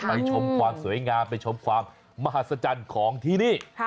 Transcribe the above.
ชมความสวยงามไปชมความมหัศจรรย์ของที่นี่